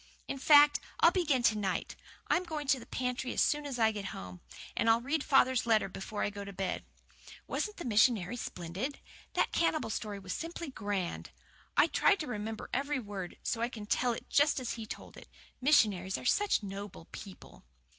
"In fact, I'll begin to night. I'm going to the pantry as soon as I get home, and I'll read father's letter before I go to bed. Wasn't the missionary splendid? That cannibal story was simply grand. I tried to remember every word, so that I can tell it just as he told it. Missionaries are such noble people."